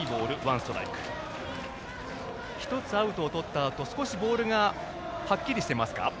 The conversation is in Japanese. １つ、アウトをとったあと少しボールがはっきりしてますか？